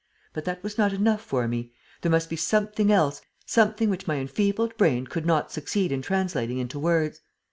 But that was not enough for me. There must be something else, something which my enfeebled brain could not succeed in translating into words.